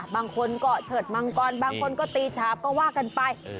บางคนก็เฉิดมังกรบางคนก็ตีฉาบก็ว่ากันไป